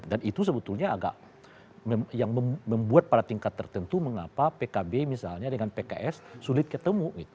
dan itu sebetulnya agak yang membuat pada tingkat tertentu mengapa pkb misalnya dengan pks sulit ketemu gitu